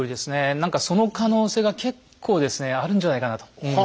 何かその可能性が結構ですねあるんじゃないかなと思うんですね。